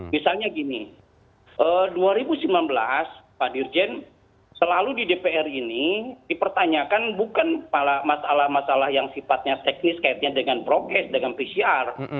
misalnya gini dua ribu sembilan belas pak dirjen selalu di dpr ini dipertanyakan bukan masalah masalah yang sifatnya teknis kaitannya dengan prokes dengan pcr